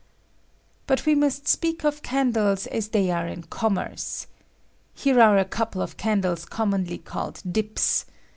But we must apeak of candles as they are in commerce. Here are a couple of candlea com monly called dips.